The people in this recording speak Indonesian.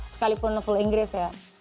sekalipun full inggris ya